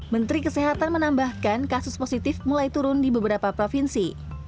menteri kesehatan menambahkan kasus positif mulai turun di beberapa provinsi